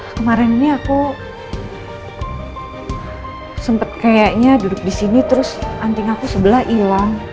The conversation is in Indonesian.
kemarin ini aku sempet kayaknya duduk disini terus anting aku sebelah hilang